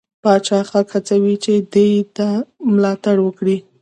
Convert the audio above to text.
پاچا خلک هڅوي چې دې ده ملاتړ وکړي.